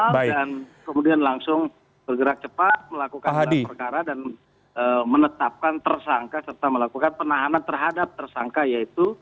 dan kemudian langsung bergerak cepat melakukan gelar perkara dan menetapkan tersangka serta melakukan penahanan terhadap tersangka yaitu